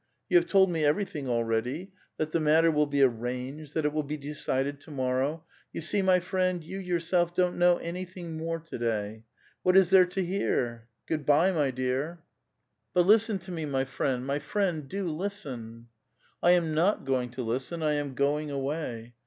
You have told me everything already, — that the matter will be arranged, that it will be decided to morrow ; you see, my friend, you yourself don't know anything more to day. What is there to hear? Good by, my dear {Do sviddnyaj moi drug) !" A VITAL QUESTION. 101 " But listen to me, my friend ; my friend, do listen !*'^^ I am not going to listen ; I am going away."